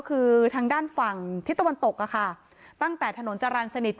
คือทางด้านฝั่งทิศตะวันตกอะค่ะตั้งแต่ถนนจรรย์สนิท